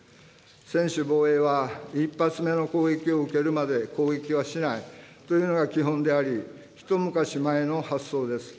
専守防衛は１発目の攻撃を受けるまで攻撃はしないというのが基本であり、一昔前の発想です。